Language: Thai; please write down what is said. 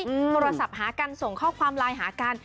โทรศัพท์หากันส่งข้อความไลน์หากัน